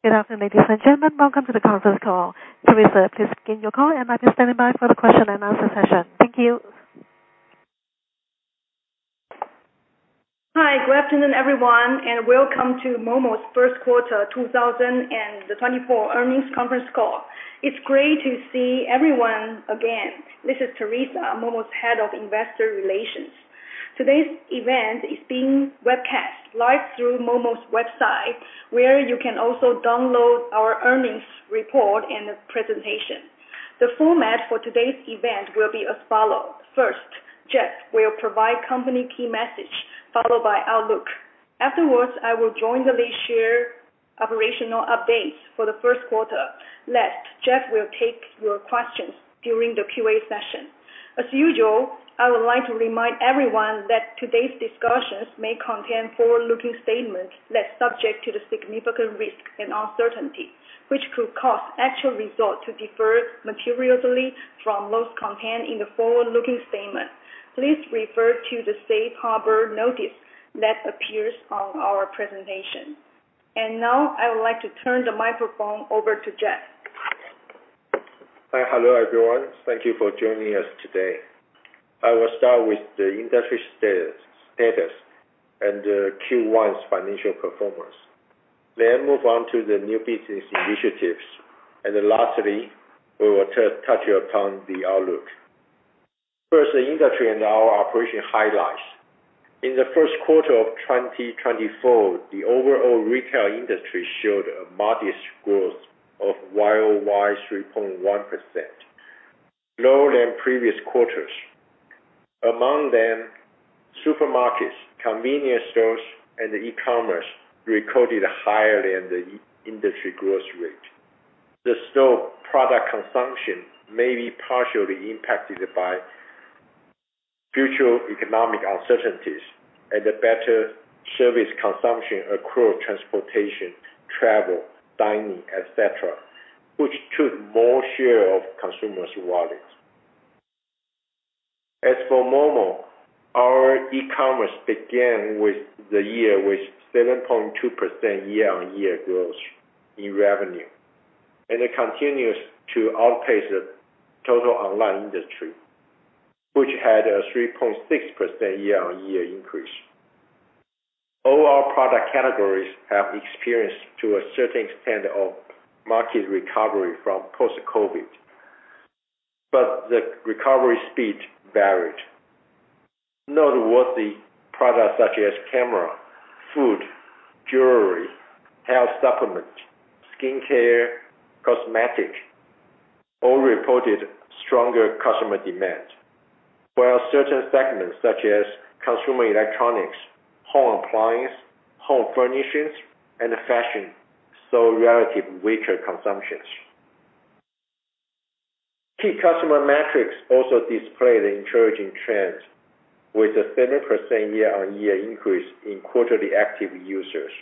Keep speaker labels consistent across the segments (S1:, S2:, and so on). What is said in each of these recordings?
S1: Good afternoon, ladies and gentlemen. Welcome to the conference call. Terrisa, please begin your call and I'll be standing by for the question-and-answer session. Thank you.
S2: Hi, good afternoon, everyone, and welcome to momo's first quarter 2024 earnings conference call. It's great to see everyone again. This is Terrisa, momo's head of investor relations. Today's event is being webcast live through momo's website, where you can also download our earnings report and the presentation. The format for today's event will be as follows. First, Jeff will provide company key message, followed by outlook. Afterwards, I will jointly share operational updates for the first quarter. Last, Jeff will take your questions during the Q&A session. As usual, I would like to remind everyone that today's discussions may contain forward-looking statements that are subject to significant risk and uncertainty, which could cause actual results to differ materially from those contained in the forward-looking statement. Please refer to the safe harbor notice that appears on our presentation. Now I would like to turn the microphone over to Jeff.
S3: Hi, hello everyone. Thank you for joining us today. I will start with the industry status and Q1's financial performance. Then move on to the new business initiatives, and lastly, we will touch upon the outlook. First, the industry and our operation highlights. In the first quarter of 2024, the overall retail industry showed a modest growth of YoY 3.1%, lower than previous quarters. Among them, supermarkets, convenience stores, and e-commerce recorded higher than the industry growth rate. The store product consumption may be partially impacted by future economic uncertainties and better service consumption across transportation, travel, dining, etc., which took more share of consumers' wallets. As for momo, our e-commerce began the year with 7.2% year-on-year growth in revenue and continues to outpace the total online industry, which had a 3.6% year-on-year increase. All our product categories have experienced, to a certain extent, market recovery from post-COVID, but the recovery speed varied. Noteworthy products such as camera, food, jewelry, health supplements, skincare, cosmetics all reported stronger customer demand, while certain segments such as consumer electronics, home appliances, home furnishings, and fashion saw relative weaker consumptions. Key customer metrics also displayed encouraging trends, with a 7% year-on-year increase in quarterly active users.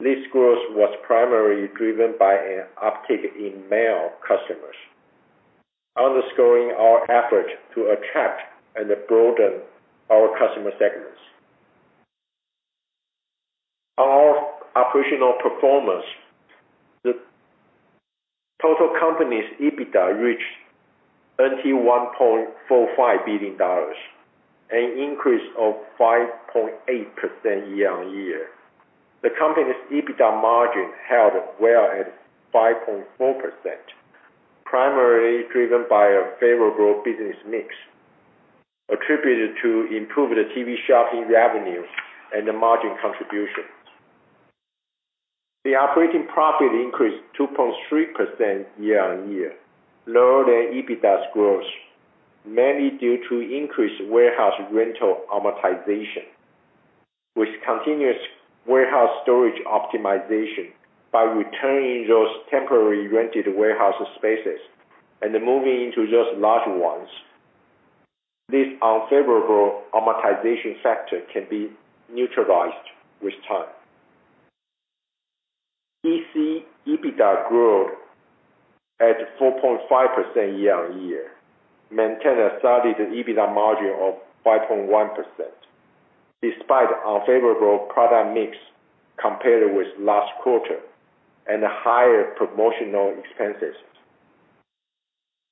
S3: This growth was primarily driven by an uptick in male customers, underscoring our effort to attract and broaden our customer segments. On our operational performance, the total company's EBITDA reached 1.45 billion dollars, an increase of 5.8% year-on-year. The company's EBITDA margin held well at 5.4%, primarily driven by a favorable business mix attributed to improved TV shopping revenue and margin contributions. The operating profit increased 2.3% year-on-year, lower than EBITDA's growth, mainly due to increased warehouse rental amortization. With continuous warehouse storage optimization by returning those temporary rented warehouse spaces and moving into those larger ones, this unfavorable amortization factor can be neutralized with time. EC EBITDA growth at 4.5% year-on-year maintained a solid EBITDA margin of 5.1% despite unfavorable product mix compared with last quarter and higher promotional expenses.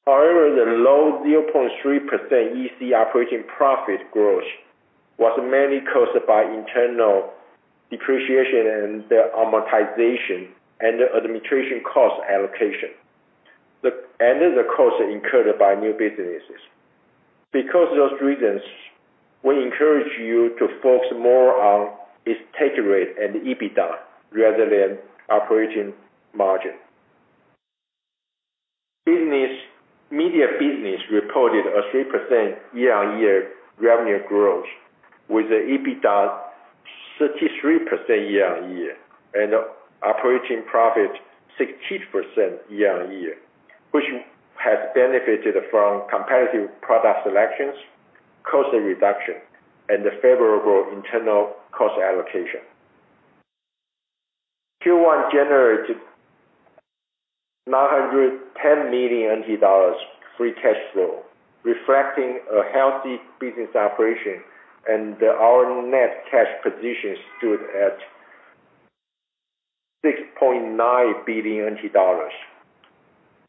S3: However, the low 0.3% EC operating profit growth was mainly caused by internal depreciation and the amortization and administration cost allocation, and the costs incurred by new businesses. Because of those reasons, we encourage you to focus more on take rate and EBITDA rather than operating margin. Media business reported a 3% year-on-year revenue growth, with EBITDA 33% year-on-year and operating profit 60% year-on-year, which has benefited from competitive product selections, cost reduction, and favorable internal cost allocation. Q1 generated 910 million dollars in free cash flow, reflecting a healthy business operation, and our net cash position stood at TWD 6.9 billion.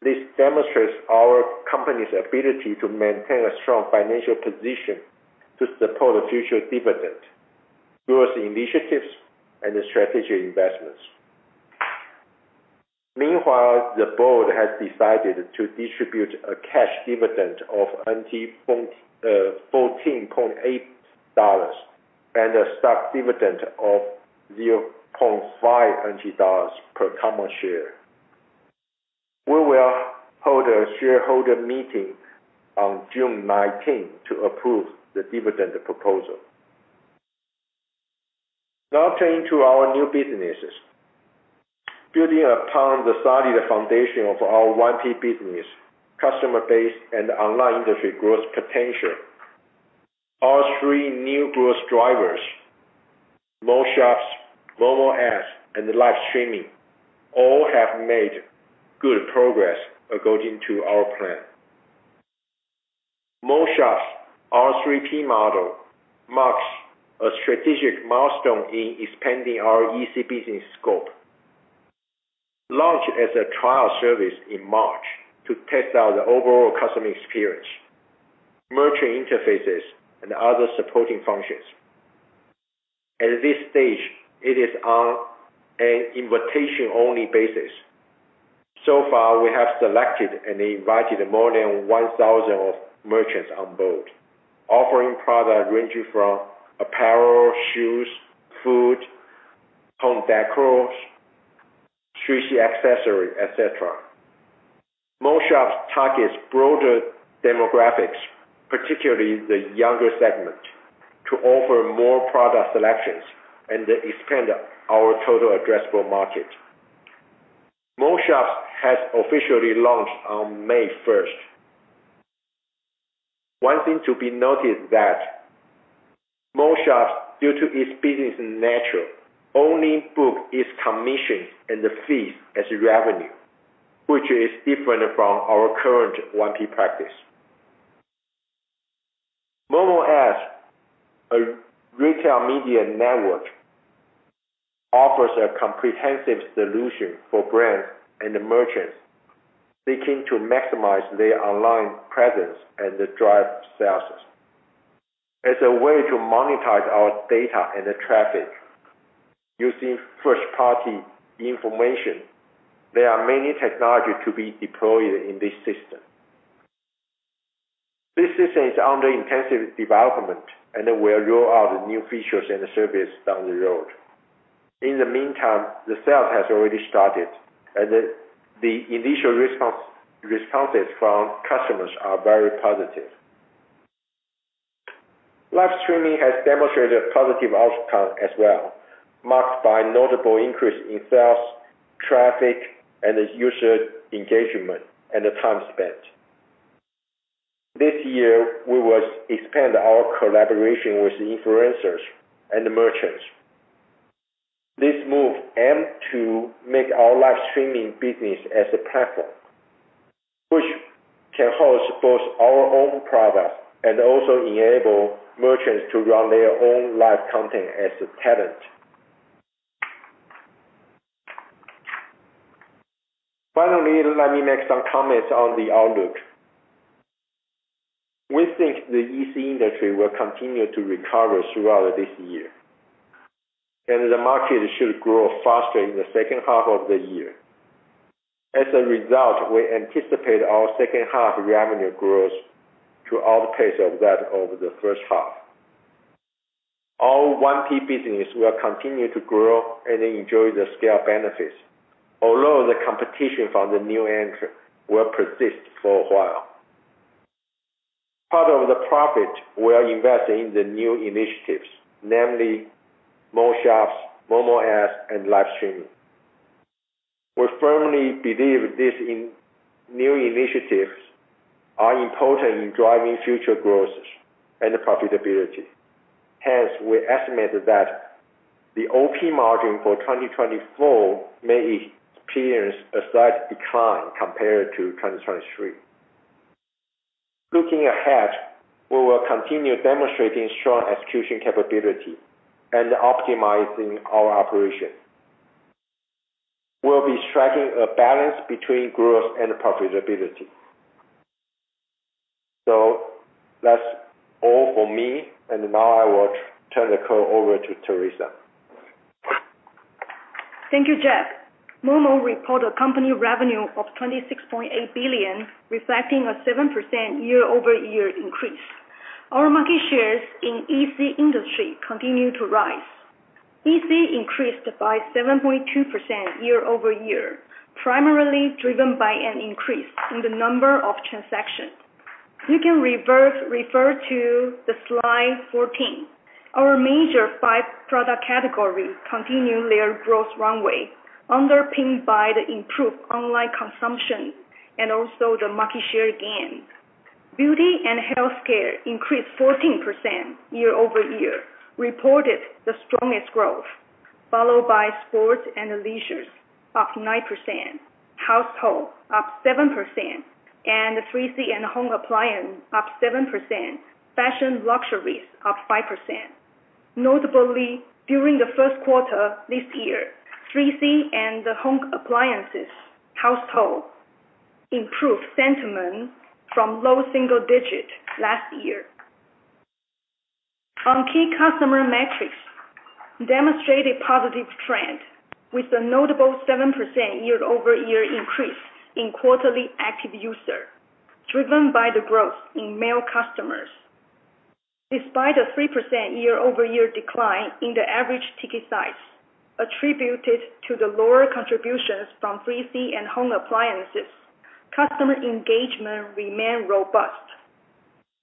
S3: This demonstrates our company's ability to maintain a strong financial position to support future dividend growth initiatives and strategic investments. Meanwhile, the board has decided to distribute a cash dividend of 14.80 dollars and a stock dividend of 0.50 dollars per common share. We will hold a shareholder meeting on June 19th to approve the dividend proposal. Now, turning to our new businesses. Building upon the solid foundation of our 1P business, customer base, and online industry growth potential, our three new growth drivers, momo Shops, momo app, and live streaming, all have made good progress according to our plan. momo Shops 3P model marks a strategic milestone in expanding our EC business scope. Launched as a trial service in March to test out the overall customer experience, merchant interfaces, and other supporting functions. At this stage, it is on an invitation-only basis. So far, we have selected and invited more than 1,000 merchants on board, offering products ranging from apparel, shoes, food, home decor, street accessories, etc. Mall Shops target broader demographics, particularly the younger segment, to offer more product selections and expand our total addressable market. Mall Shops has officially launched on May 1st. One thing to be noted is that Mall Shops, due to its business nature, only book its commissions and fees as revenue, which is different from our current 1P practice. momo app, a retail media network, offers a comprehensive solution for brands and merchants seeking to maximize their online presence and drive sales. As a way to monetize our data and traffic using first-party information, there are many technologies to be deployed in this system. This system is under intensive development and will roll out new features and services down the road. In the meantime, the sales has already started, and the initial responses from customers are very positive. Live streaming has demonstrated positive outcomes as well, marked by notable increase in sales, traffic, and user engagement and time spent. This year, we will expand our collaboration with influencers and merchants. This move aims to make our live streaming business as a platform, which can host both our own products and also enable merchants to run their own live content as talent. Finally, let me make some comments on the outlook. We think the EC industry will continue to recover throughout this year, and the market should grow faster in the second half of the year. As a result, we anticipate our second half revenue growth to outpace that of the first half. Our 1P business will continue to grow and enjoy the scale benefits, although the competition from the new entry will persist for a while. Part of the profit will invest in the new initiatives, namely mall shops, momo apps, and live streaming. We firmly believe these new initiatives are important in driving future growth and profitability. Hence, we estimate that the OP margin for 2024 may experience a slight decline compared to 2023. Looking ahead, we will continue demonstrating strong execution capability and optimizing our operation. We'll be striking a balance between growth and profitability. That's all for me, and now I will turn the call over to Terrisa.
S2: Thank you, Jeff. momo reported company revenue of 26.8 billion, reflecting a 7% year-over-year increase. Our market shares in EC industry continue to rise. EC increased by 7.2% year-over-year, primarily driven by an increase in the number of transactions. You can refer to slide 14. Our major five product categories continue their growth runway, underpinned by the improved online consumption and also the market share gain. Beauty and healthcare increased 14% year-over-year, reported the strongest growth, followed by sports and leisures up 9%, household up 7%, and 3C and home appliances up 7%, fashion luxuries up 5%. Notably, during the first quarter this year, 3C and home appliances household improved sentiment from low single digit last year. On key customer metrics, demonstrated positive trend, with a notable 7% year-over-year increase in quarterly active users, driven by the growth in male customers. Despite a 3% year-over-year decline in the average ticket size attributed to the lower contributions from 3C and home appliances, customer engagement remained robust.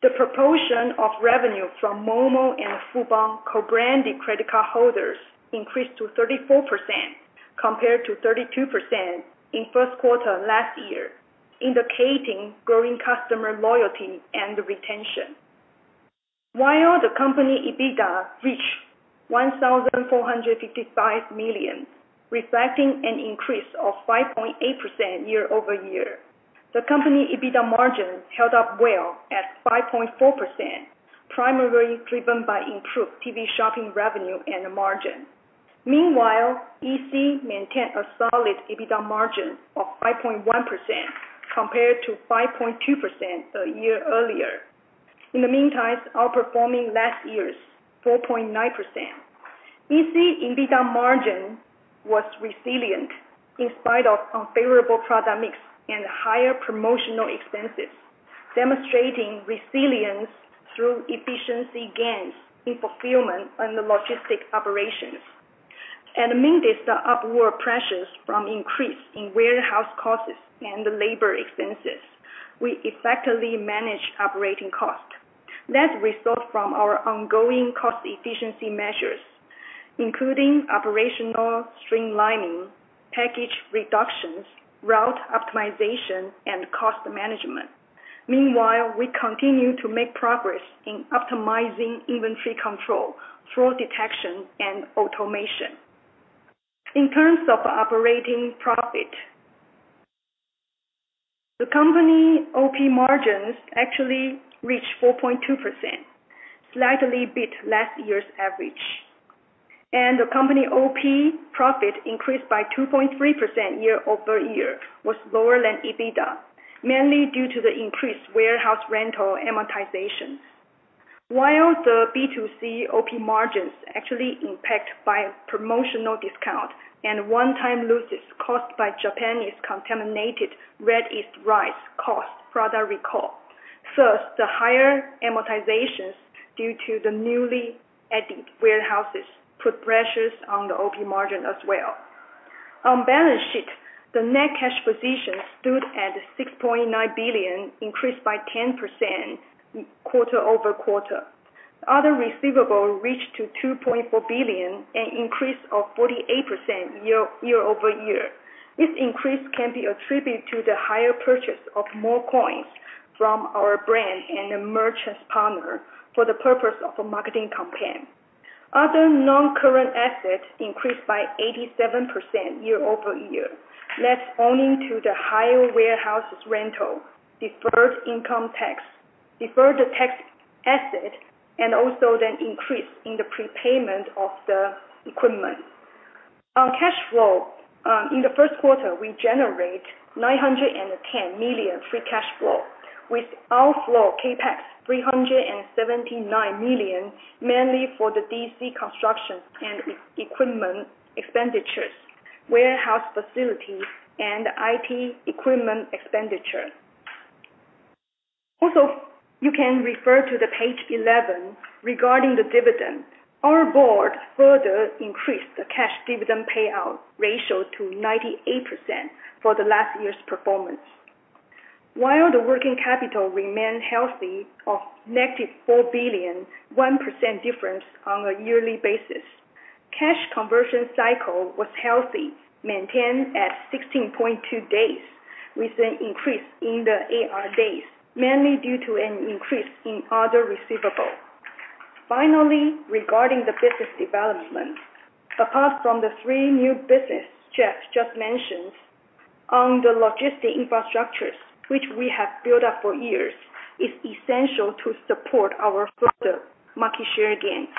S2: The proportion of revenue from momo and Fubon co-branded credit card holders increased to 34% compared to 32% in first quarter last year, indicating growing customer loyalty and retention. While the company EBITDA reached 1,455 million, reflecting an increase of 5.8% year-over-year, the company EBITDA margin held up well at 5.4%, primarily driven by improved TV shopping revenue and margin. Meanwhile, EC maintained a solid EBITDA margin of 5.1% compared to 5.2% a year earlier, in the meantime outperforming last year's 4.9%. EC EBITDA margin was resilient in spite of unfavorable product mix and higher promotional expenses, demonstrating resilience through efficiency gains in fulfillment and logistic operations. Admitting the upward pressures from increase in warehouse costs and labor expenses, we effectively managed operating costs. That resulted from our ongoing cost efficiency measures, including operational streamlining, package reductions, route optimization, and cost management. Meanwhile, we continue to make progress in optimizing inventory control, fraud detection, and automation. In terms of operating profit, the company OP margins actually reached 4.2%, slightly beat last year's average. The company OP profit increased by 2.3% year-over-year, was lower than EBITDA, mainly due to the increased warehouse rental amortizations. While the B2C OP margins actually impacted by promotional discount and one-time losses caused by Japanese contaminated red yeast rice product recall, first, the higher amortizations due to the newly added warehouses put pressures on the OP margin as well. On balance sheet, the net cash position stood at 6.9 billion, increased by 10% quarter-over-quarter. Other receivables reached to 2.4 billion, an increase of 48% year-over-year. This increase can be attributed to the higher purchase of more coins from our brand and merchant partner for the purpose of a marketing campaign. Other non-current assets increased by 87% year-over-year. That's owing to the higher warehouse rental, deferred income tax, deferred tax asset, and also the increase in the prepayment of the equipment. On cash flow, in the first quarter, we generated 910 million free cash flow, with outflow CapEx 379 million, mainly for the DC construction and equipment expenditures, warehouse facilities, and IT equipment expenditure. Also, you can refer to page 11 regarding the dividend. Our board further increased the cash dividend payout ratio to 98% for the last year's performance. While the working capital remained healthy of negative 4 billion, 1% difference on a yearly basis, cash conversion cycle was healthy, maintained at 16.2 days with an increase in the AR days, mainly due to an increase in other receivables. Finally, regarding the business development, apart from the three new businesses Jeff just mentioned, on the logistic infrastructures, which we have built up for years, it's essential to support our further market share gains.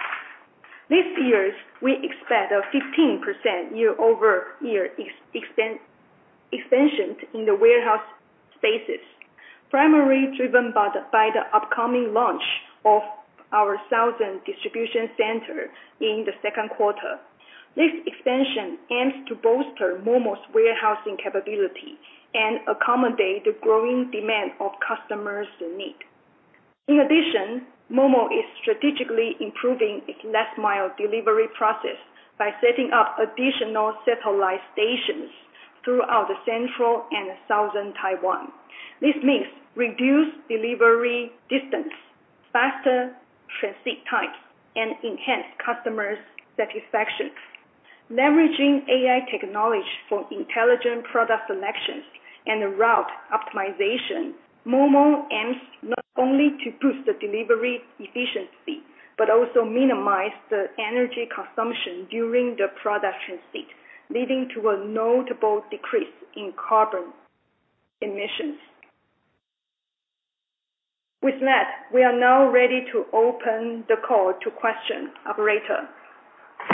S2: This year, we expect a 15% year-over-year expansion in the warehouse spaces, primarily driven by the upcoming launch of our South Distribution Center in the second quarter. This expansion aims to bolster momo's warehousing capability and accommodate the growing demand of customers' needs. In addition, momo is strategically improving its last-mile delivery process by setting up additional satellite stations throughout Central and Southern Taiwan. This means reduced delivery distance, faster transit times, and enhanced customer satisfaction. Leveraging AI technology for intelligent product selections and route optimization, momo aims not only to boost the delivery efficiency but also minimize the energy consumption during the product transit, leading to a notable decrease in carbon emissions. With that, we are now ready to open the call to questions. Operator.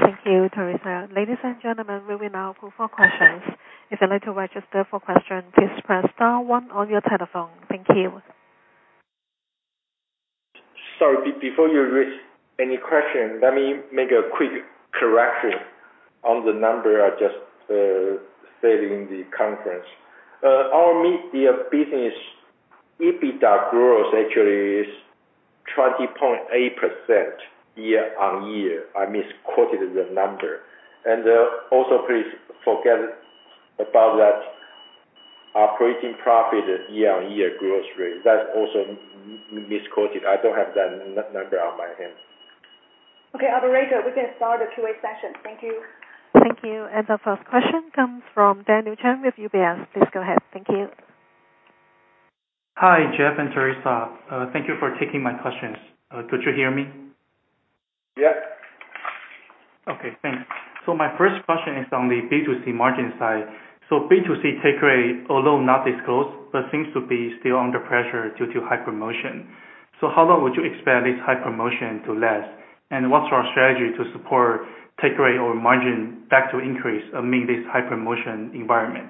S1: Thank you, Terrisa. Ladies and gentlemen, we will now move on to questions. If you'd like to register for questions, please press star one on your telephone. Thank you.
S3: Sorry, before you raise any question, let me make a quick correction on the number I just said in the conference. Our media business EBITDA growth actually is 20.8% year-on-year. I misquoted the number. Also, please forget about that operating profit year-on-year growth rate. That's also misquoted. I don't have that number on my hand.
S2: Okay. Operator, we can start the Q&A session. Thank you.
S1: Thank you. The first question comes from Daniel Chan with UBS. Please go ahead. Thank you.
S4: Hi, Jeff and Terrisa. Thank you for taking my questions. Could you hear me?
S3: Yep.
S4: Okay. Thanks. My first question is on the B2C margin side. B2C take rate, although not disclosed, but seems to be still under pressure due to high promotion. How long would you expect this high promotion to last? And what's our strategy to support take rate or margin back to increase amid this high promotion environment?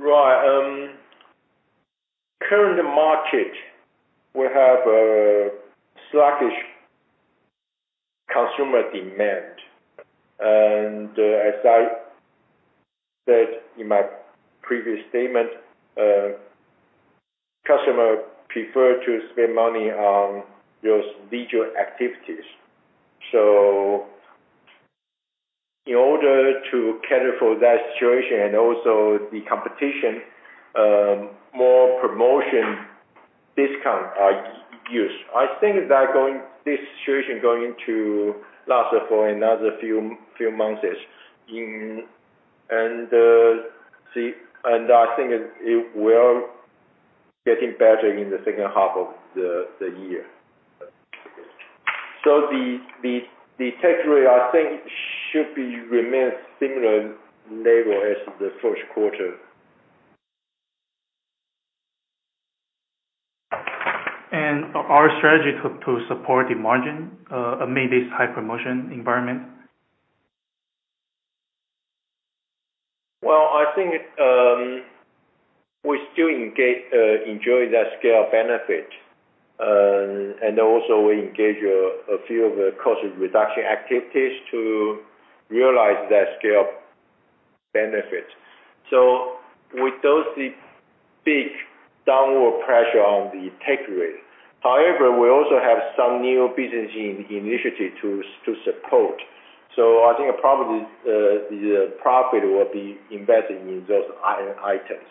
S3: Right. The current market, we have a sluggish consumer demand. As I said in my previous statement, customers prefer to spend money on those leisure activities. So in order to cater to that situation and also the competition, more promotional discounts are used. I think that this situation is going to last for another few months. I think it will get better in the second half of the year. So the take rate, I think, should remain similar level as the first quarter.
S4: Our strategy to support the margin amid this high promotion environment?
S3: Well, I think we still enjoy that scale benefit. Also, we engage a few of the cost reduction activities to realize that scale benefit. So with those big downward pressure on the take rate, however, we also have some new business initiatives to support. So I think probably the profit will be invested in those items.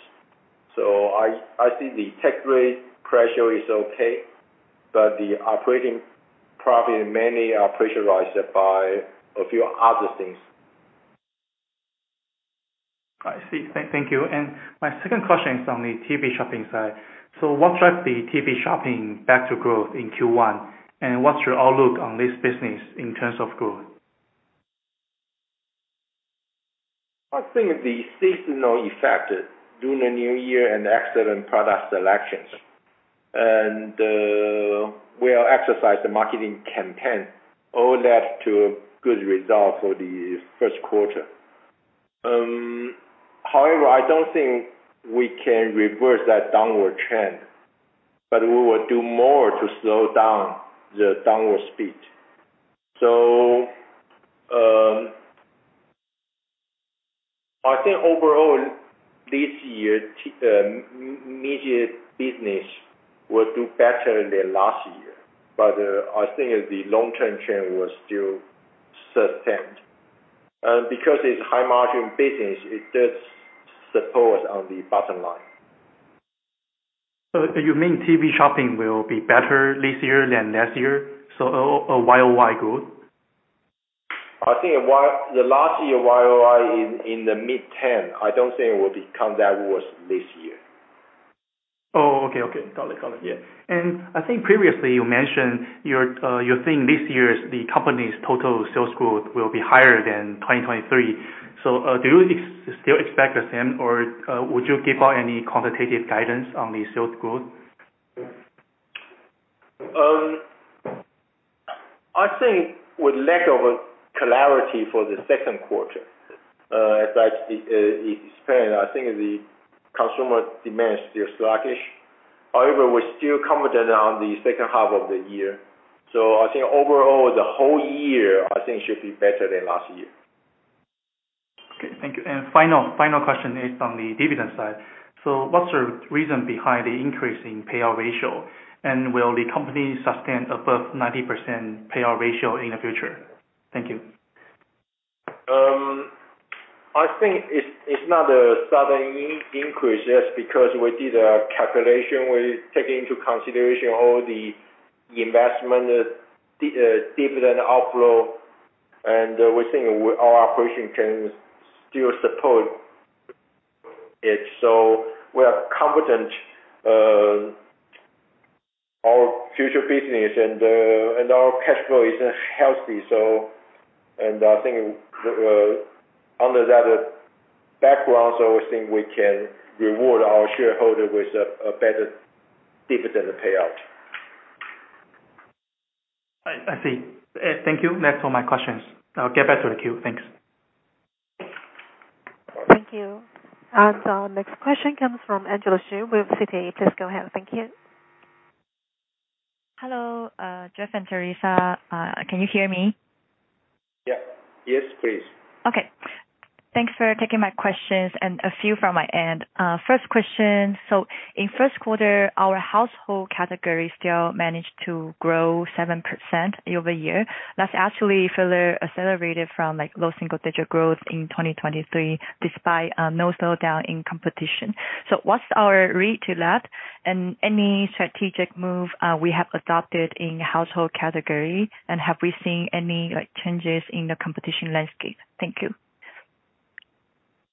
S3: So I see the take rate pressure is okay, but the operating profit mainly is pressurized by a few other things.
S4: I see. Thank you. And my second question is on the TV shopping side. So what drives the TV shopping back to growth in Q1? And what's your outlook on this business in terms of growth?
S3: I think the seasonal effect during the New Year and excellent product selections. We'll exercise the marketing campaign all that to a good result for the first quarter. However, I don't think we can reverse that downward trend, but we will do more to slow down the downward speed. I think overall, this year, media business will do better than last year, but I think the long-term trend will still sustain. Because it's a high-margin business, it does support on the bottom line.
S4: You mean TV shopping will be better this year than last year? A YoY growth?
S3: I think the last year YoY is in the mid-10. I don't think it will become that worse this year.
S4: Oh, okay. Okay. Got it. Got it. Yeah. And I think previously, you mentioned you think this year, the company's total sales growth will be higher than 2023. So do you still expect the same, or would you give out any quantitative guidance on the sales growth?
S3: I think with lack of clarity for the second quarter, I think the consumer demand is still sluggish. However, we're still confident on the second half of the year. So I think overall, the whole year, I think, should be better than last year.
S4: Okay. Thank you. And final question is on the dividend side. So what's the reason behind the increase in payout ratio? And will the company sustain above 90% payout ratio in the future? Thank you.
S3: I think it's not a sudden increase. That's because we did a calculation. We take into consideration all the investment dividend outflow. And we think our operation can still support it. So we are confident our future business and our cash flow is healthy. And I think under that background, so we think we can reward our shareholders with a better dividend payout.
S4: I see. Thank you. That's all my questions. I'll get back to the queue. Thanks.
S1: Thank you. Next question comes from Angela Hsu with Citi. Please go ahead. Thank you.
S5: Hello, Jeff and Terrisa. Can you hear me?
S3: Yep. Yes, please.
S5: Okay. Thanks for taking my questions and a few from my end. First question, so in first quarter, our household category still managed to grow 7% year-over-year. That's actually further accelerated from low single-digit growth in 2023 despite no slowdown in competition. So what's our read on that? And any strategic move we have adopted in household category, and have we seen any changes in the competition landscape? Thank you.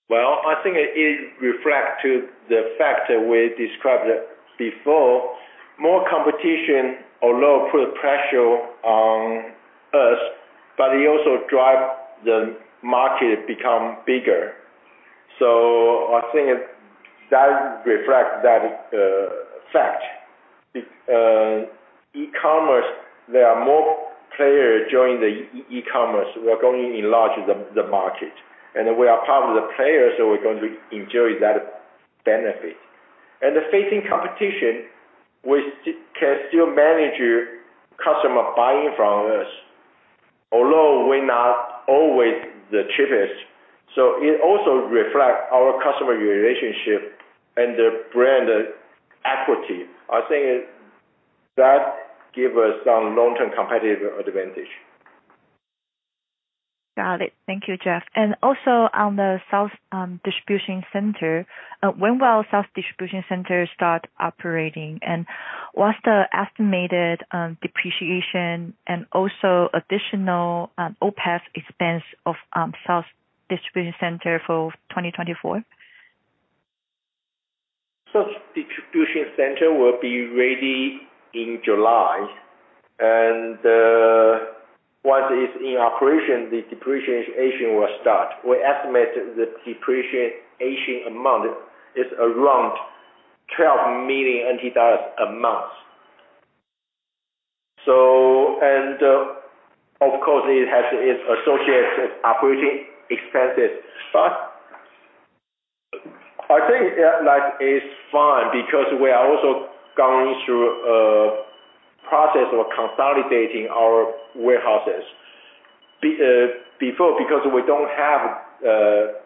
S3: Well, I think it reflects the fact that we described before. More competition, although put pressure on us, but it also drives the market to become bigger. So I think that reflects that fact. E-commerce, there are more players joining the e-commerce. We're going to enlarge the market. We are part of the players, so we're going to enjoy that benefit. Facing competition, we can still manage customer buying from us, although we're not always the cheapest. So it also reflects our customer relationship and the brand equity. I think that gives us some long-term competitive advantage.
S5: Got it. Thank you, Jeff. And also on the South Distribution Center, when will South Distribution Center start operating? And what's the estimated depreciation and also additional OPEX expense of South Distribution Center for 2024?
S3: South Distribution Center will be ready in July. Once it's in operation, the depreciation will start. We estimate the depreciation amount is around 12 million NT dollars a month. Of course, it has its associated operating expenses. I think that is fine because we are also going through a process of consolidating our warehouses before because we don't have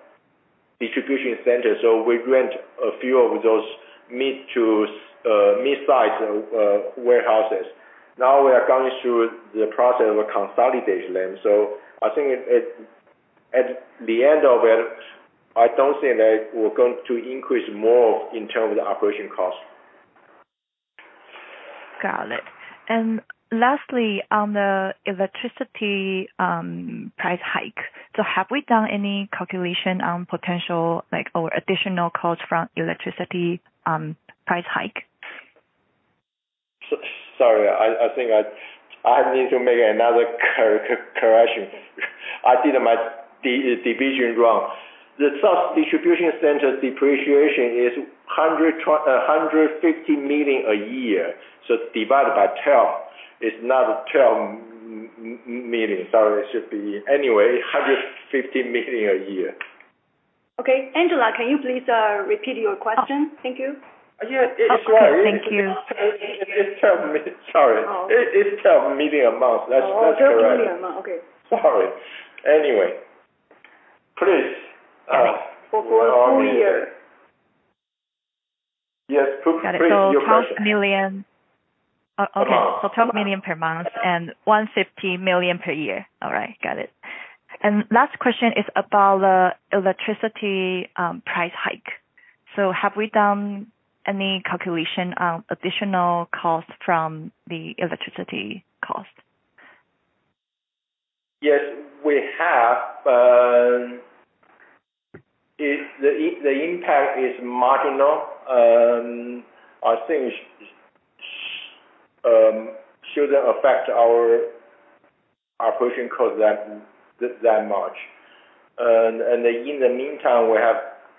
S3: distribution centers. We rent a few of those mid-sized warehouses. Now we are going through the process of consolidating them. I think at the end of it, I don't think that we're going to increase more in terms of the operation cost.
S5: Got it. Lastly, on the electricity price hike, so have we done any calculation on potential or additional costs from electricity price hike?
S3: Sorry. I think I need to make another correction. I did my division wrong. The South Distribution Center depreciation is 150 million a year. So divided by 12, it's not 12 million. Sorry. It should be anyway, 150 million a year.
S2: Okay. Angela, can you please repeat your question? Thank you.
S3: Yeah. It's right.
S5: Okay. Thank you.
S3: It's TWD 12 million. Sorry. It's TWD 12 million a month. That's correct.
S2: Oh, TWD 12 million a month. Okay.
S3: Sorry. Anyway, please.
S2: Okay. For full year.
S3: Yes. Please.
S5: So 12 million. Okay. So 12 million per month and 150 million per year. All right. Got it. And last question is about the electricity price hike. So have we done any calculation on additional costs from the electricity cost?
S3: Yes, we have. The impact is marginal. I think it shouldn't affect our operation costs that much. And in the meantime,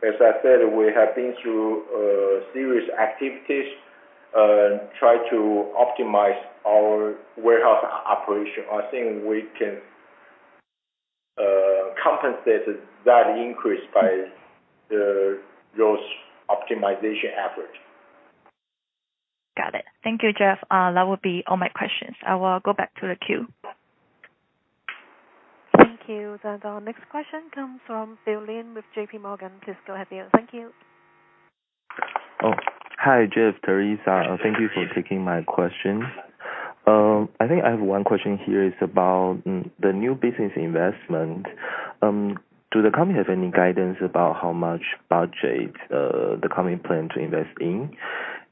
S3: as I said, we have been through serious activities trying to optimize our warehouse operation. I think we can compensate that increase by those optimization efforts.
S5: Got it. Thank you, Jeff. That will be all my questions. I will go back to the queue.
S1: Thank you. And the next question comes from Bill Lin with JPMorgan. Please go ahead, Bill. Thank you.
S6: Hi, Jeff. Terrisa. Thank you for taking my question. I think I have one question here. It's about the new business investment. Do the company have any guidance about how much budget the company planned to invest in?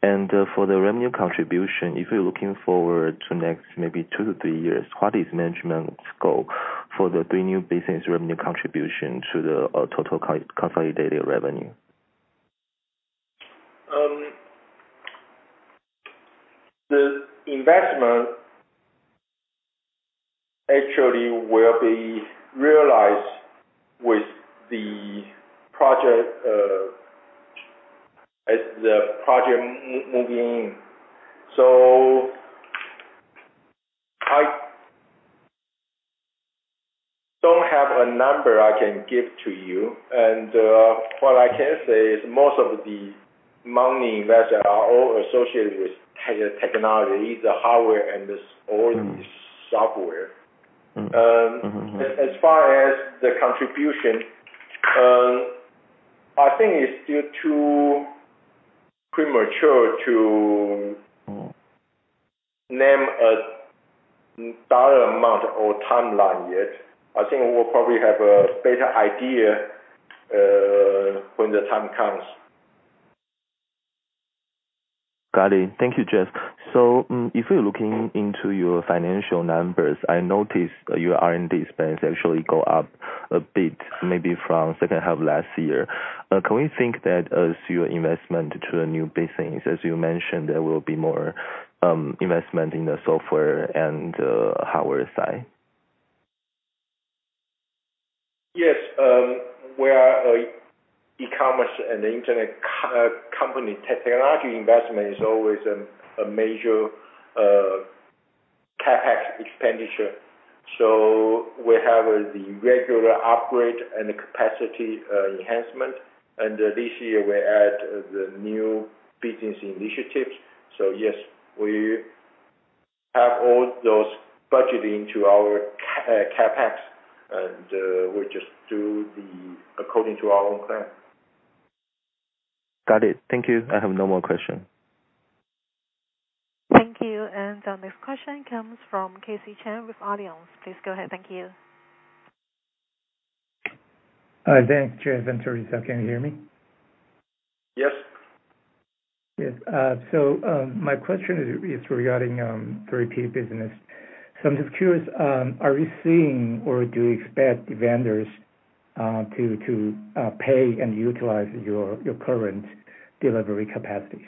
S6: And for the revenue contribution, if you're looking forward to next maybe two to three years, what is management's goal for the three new business revenue contribution to the total consolidated revenue?
S3: The investment actually will be realized with the project as the project moving in. I don't have a number I can give to you. What I can say is most of the money invested are all associated with technology, the hardware, and all the software. As far as the contribution, I think it's still too premature to name a dollar amount or timeline yet. I think we'll probably have a better idea when the time comes.
S6: Got it. Thank you, Jeff. So if we're looking into your financial numbers, I noticed your R&D spends actually go up a bit maybe from second half last year. Can we think that as your investment to the new business, as you mentioned, there will be more investment in the software and hardware side?
S3: Yes. We are an e-commerce and internet company. Technology investment is always a major CapEx expenditure. So we have the regular upgrade and the capacity enhancement. And this year, we add the new business initiatives. So yes, we have all those budgeting to our CapEx, and we just do according to our own plan.
S6: Got it. Thank you. I have no more questions.
S1: Thank you. And the next question comes from [Casey Chan] with [Allianz]. Please go ahead. Thank you.
S7: Hi. Thanks, Jeff and Terrisa. Can you hear me?
S3: Yes.
S7: Yes. So my question is regarding the repeat business. So I'm just curious, are we seeing or do we expect vendors to pay and utilize your current delivery capacities?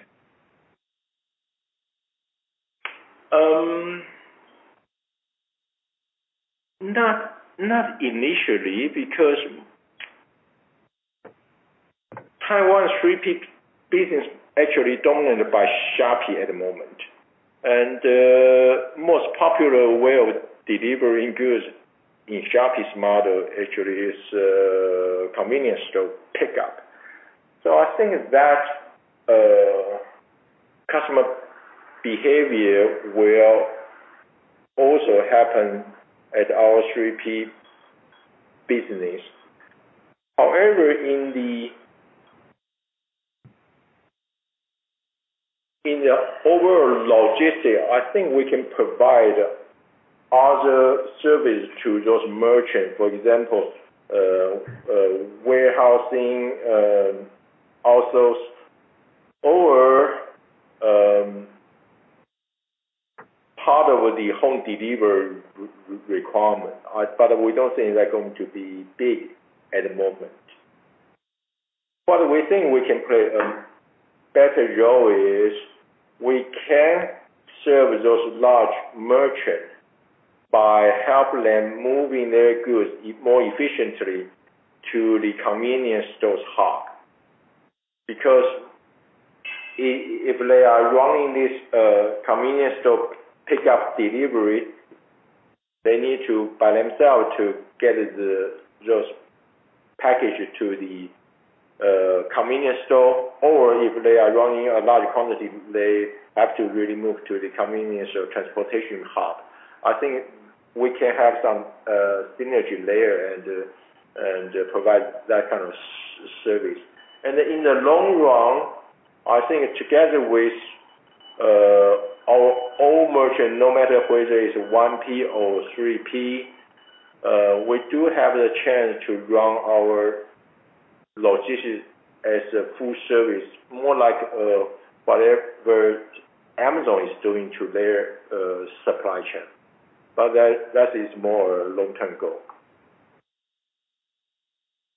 S3: Not initially because Taiwan's repeat business is actually dominated by Shopee at the moment. The most popular way of delivering goods in Shopee's model actually is convenience store pickup. I think that customer behavior will also happen at our repeat business. However, in the overall logistics, I think we can provide other services to those merchants, for example, warehousing also or part of the home delivery requirement. We don't think that's going to be big at the moment. What we think we can play a better role is we can serve those large merchants by helping them move their goods more efficiently to the convenience store's hub. Because if they are running this convenience store pickup delivery, they need to by themselves to get those packages to the convenience store. Or if they are running a large quantity, they have to really move to the convenience or transportation hub. I think we can have some synergy layer and provide that kind of service. And in the long run, I think together with our old merchant, no matter whether it's 1P or 3P, we do have the chance to run our logistics as a full service, more like whatever Amazon is doing to their supply chain. But that is more a long-term goal.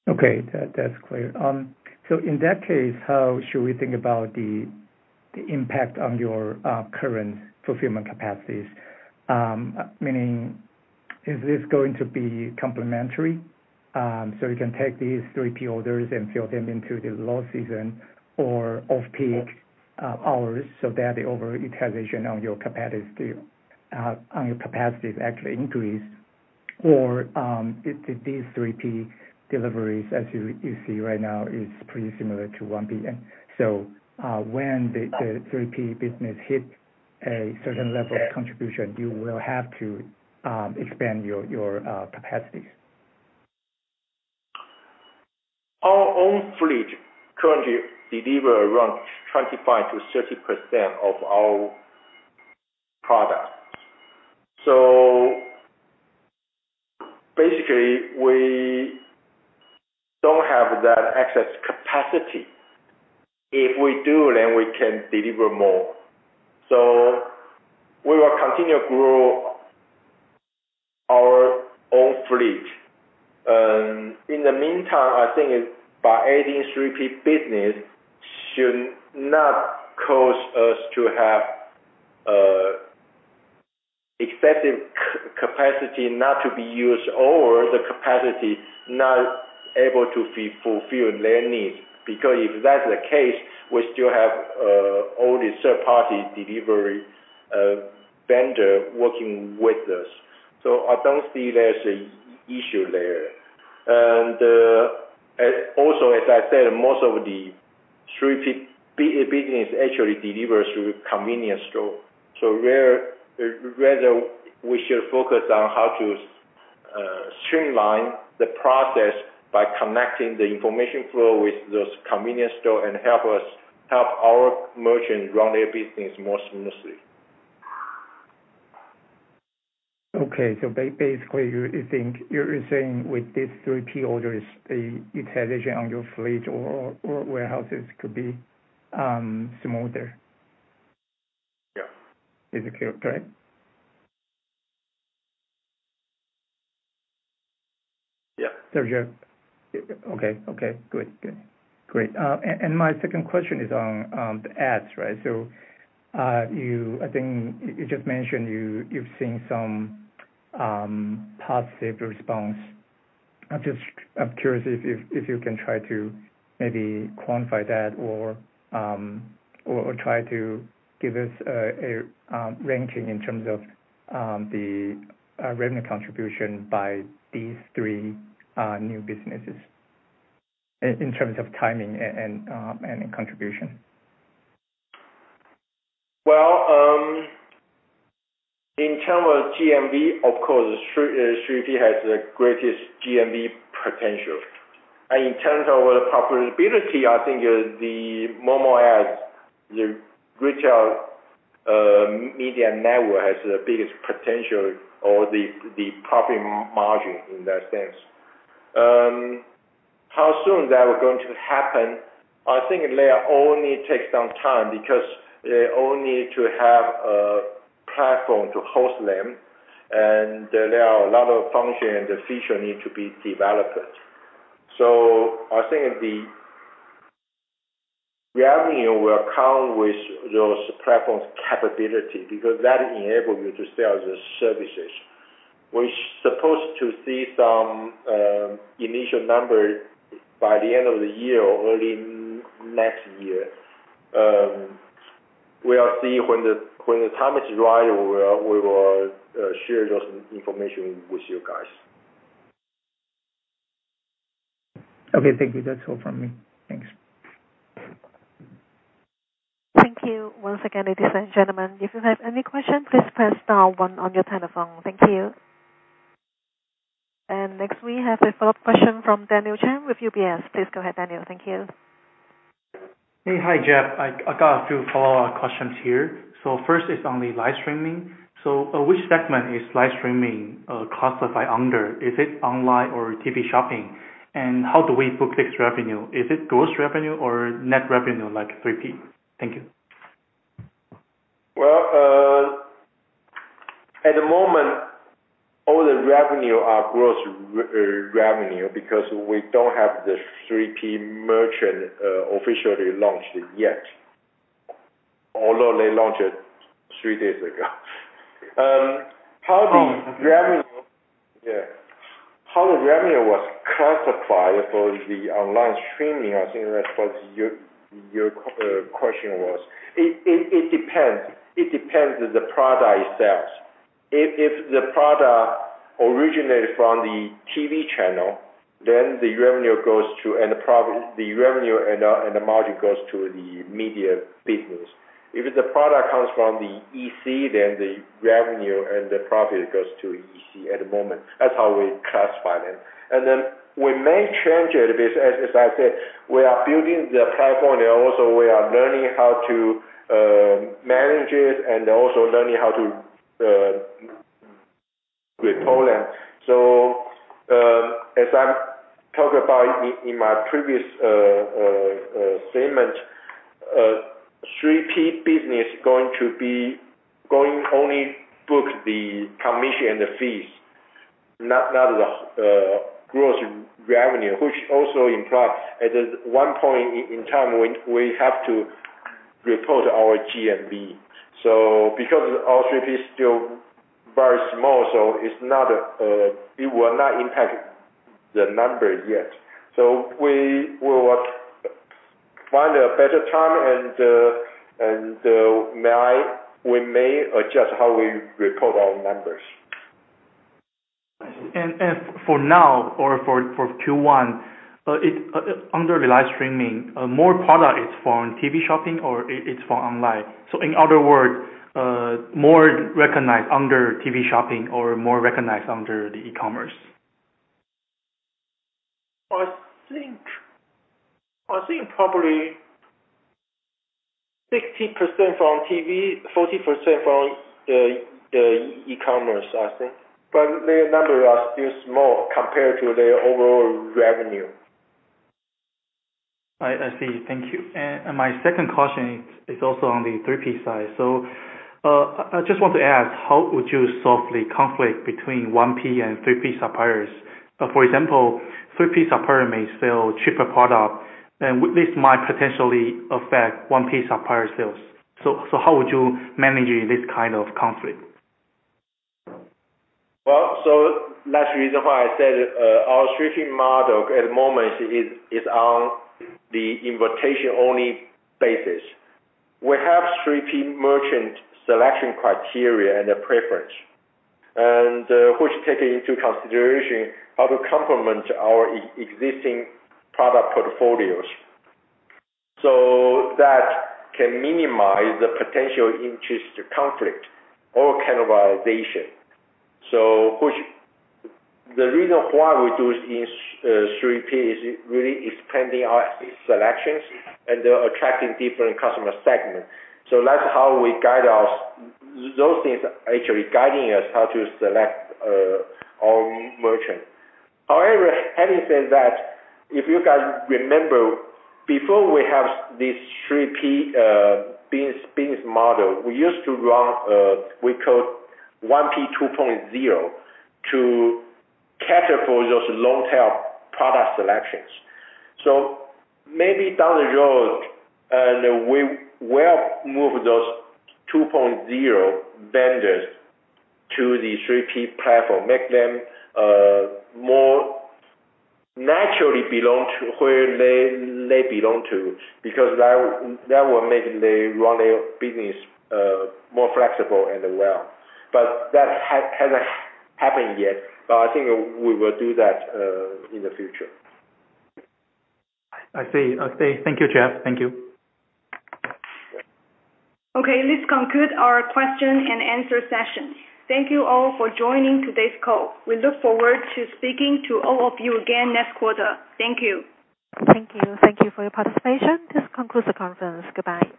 S7: Okay. That's clear. So in that case, how should we think about the impact on your current fulfillment capacities? Meaning, is this going to be complementary so you can take these 3P orders and fill them into the low season or off-peak hours so that the over-utilization on your capacities actually increase? Or these 3P deliveries, as you see right now, is pretty similar to 1P. And so when the 3P business hit a certain level of contribution, you will have to expand your capacities?
S3: Our own fleet currently delivers around 25%-30% of our products. So basically, we don't have that excess capacity. If we do, then we can deliver more. So we will continue to grow our own fleet. In the meantime, I think by adding 3P business should not cause us to have excessive capacity not to be used or the capacity not able to fulfill their needs. Because if that's the case, we still have all the third-party delivery vendors working with us. So I don't see there's an issue there. And also, as I said, most of the 3P business actually delivers through convenience store. So rather, we should focus on how to streamline the process by connecting the information flow with those convenience stores and help our merchants run their business more smoothly.
S7: Okay. So basically, you think you're saying with these 3P orders, the utilization on your fleet or warehouses could be smoother?
S3: Yeah.
S7: Is it correct?
S3: Yeah.
S7: So, Jeff. Okay. Okay. Good. Good. Great. And my second question is on the ads, right? So I think you just mentioned you've seen some positive response. I'm curious if you can try to maybe quantify that or try to give us a ranking in terms of the revenue contribution by these three new businesses in terms of timing and contribution.
S3: Well, in terms of GMV, of course, 3P has the greatest GMV potential. And in terms of profitability, I think the momo ads, the retail media network has the biggest potential or the profit margin in that sense. How soon that will going to happen, I think they all need to take some time because they all need to have a platform to host them. And there are a lot of functions and features need to be developed. So I think the revenue will come with those platforms' capability because that enables you to sell the services. We're supposed to see some initial numbers by the end of the year or early next year. We'll see. When the time is right, we will share those information with you guys.
S7: Okay. Thank you. That's all from me. Thanks.
S1: Thank you once again, ladies and gentlemen. If you have any questions, please press the 1 on your telephone. Thank you. Next, we have a follow-up question from Daniel Chan with UBS. Please go ahead, Daniel. Thank you.
S4: Hey. Hi, Jeff. I got a few follow-up questions here. First is on the live streaming. Which segment is live streaming classified under? Is it online or TV shopping? And how do we book this revenue? Is it gross revenue or net revenue like 3P? Thank you.
S3: Well, at the moment, all the revenue are gross revenue because we don't have the 3P merchant officially launched yet, although they launched it three days ago. How the revenue was classified for the online streaming, I think that's what your question was. It depends. It depends on the product itself. If the product originated from the TV channel, then the revenue goes to and the revenue and the margin goes to the media business. If the product comes from the EC, then the revenue and the profit goes to EC at the moment. That's how we classify them. And then we may change it a bit. As I said, we are building the platform. And also, we are learning how to manage it and also learning how to report them. So as I talked about in my previous statement, 3P business is going to be going only to book the commission and the fees, not the gross revenue, which also implies at one point in time, we have to report our GMV. So because all 3P is still very small, so it will not impact the number yet. So we will find a better time, and we may adjust how we report our numbers.
S4: I see. And for now or for Q1, under the live streaming, more product is for TV shopping or it's for online? So in other words, more recognized under TV shopping or more recognized under the e-commerce?
S3: I think probably 60% from TV, 40% from the e-commerce, I think. But their numbers are still small compared to their overall revenue.
S4: I see. Thank you. My second question is also on the 3P side. I just want to ask, how would you solve the conflict between 1P and 3P suppliers? For example, 3P supplier may sell cheaper product, and this might potentially affect 1P supplier sales. How would you manage this kind of conflict?
S3: Well, so that's the reason why I said our streaming model at the moment is on the invitation-only basis. We have 3P merchant selection criteria and a preference, which take into consideration how to complement our existing product portfolios so that can minimize the potential interest conflict or cannibalization. So the reason why we do it in 3P is really expanding our selections and attracting different customer segments. So that's how we guide ours. Those things are actually guiding us how to select our merchant. However, having said that, if you guys remember, before we have this 3P business model, we used to run what we called 1P 2.0 to cater for those long-tail product selections. So maybe down the road, we will move those 2P vendors to the 3P platform, make them more naturally belong to where they belong to because that will make them run their business more flexible and well. But that hasn't happened yet. But I think we will do that in the future.
S4: I see. Okay. Thank you, Jeff. Thank you.
S2: Okay. Let's conclude our question-and-answer session. Thank you all for joining today's call. We look forward to speaking to all of you again next quarter. Thank you.
S1: Thank you. Thank you for your participation. This concludes the conference. Goodbye.